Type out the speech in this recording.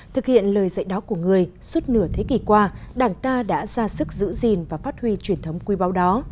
thực hiện lời dạy đó của người suốt nửa thế kỷ qua đảng ta đã ra sức giữ gìn và phát huy truyền thống quý báu đó